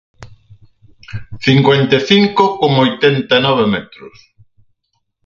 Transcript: Cincuenta e cinco con oitenta e nove metros.